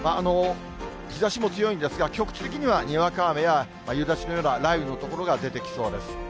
日ざしも強いんですが、局地的には、にわか雨や夕立のような雷雨の所が出てきそうです。